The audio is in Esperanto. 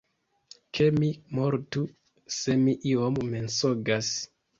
Ke mi mortu, se mi iom mensogas!